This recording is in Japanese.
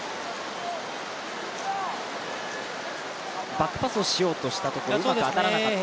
バックパスをしようとしたところ、うまく当たらなかったと。